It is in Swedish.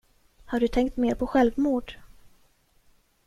Har du tänkt mer på självmord?